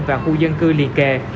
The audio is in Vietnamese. và khu dân cư liên kề